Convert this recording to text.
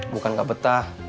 bukan gak betah